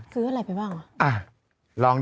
คืออะไรไปบ้าง